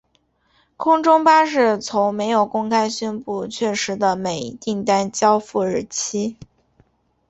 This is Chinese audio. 空中巴士从没有公开宣布确实的每一订单交付日期。